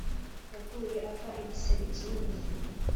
Yaguye ava igisebe kinini